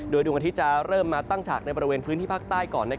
ดวงอาทิตย์จะเริ่มมาตั้งฉากในบริเวณพื้นที่ภาคใต้ก่อน